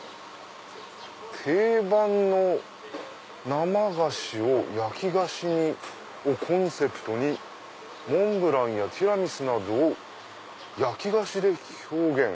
「“定番の生菓子を焼き菓子に”をコンセプトにモンブランやティラミスなどを焼き菓子で表現」。